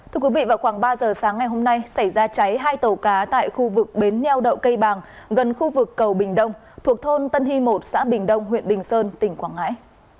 thưa quý vị vào khoảng ba giờ sáng ngày hôm nay xảy ra cháy hai tàu cá tại khu vực bến nheo đậu cây bàng gần khu vực cầu bình đông thuộc thôn tân hy một xã bình đông huyện bình sơn tỉnh quảng ngãi